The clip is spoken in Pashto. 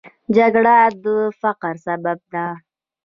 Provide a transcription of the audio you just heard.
جګړه د فقر سبب ده